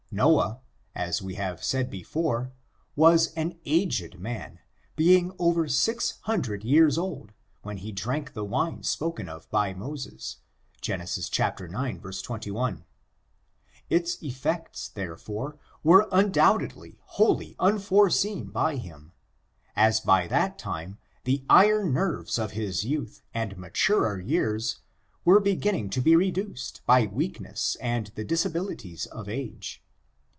Noah, as we have said before, was an aged man, being over six hundred years old when he drank the wine spoken of by Moses, Gen. ix, 21 ; its effects, therefore, were undoubtedly wholly unfore* seen by him, as by that time the iron nerves of his youth and maturer years were beginning to be re duced by weakness and the disabilities of age.